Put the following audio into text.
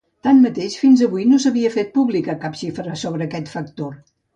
Tanmateix, fins avui no s’havia fet pública cap xifra sobre aquest factor.